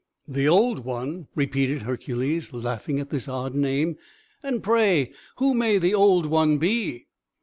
"The Old One!" repeated Hercules, laughing at this odd name. "And, pray, who may the Old One be?"